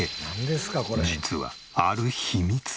実はある秘密が。